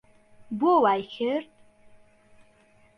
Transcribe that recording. بۆ وای کرد؟